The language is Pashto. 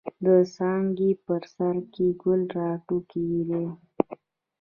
د څانګې په سر کښې ګل را ټوكېدلے دے۔